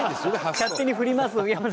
勝手にボケます